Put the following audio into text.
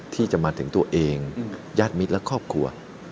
ที่จะมาถึงตัวเองญาติมิตรและครอบครัว